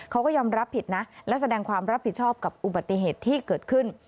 เขาก็ยอมรับผิดนะและแสดงความรับผิดชอบกับอุบัติเหตุที่เกิดขึ้น